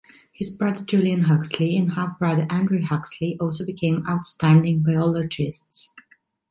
His brother Julian Huxley and half-brother Andrew Huxley also became outstanding biologists.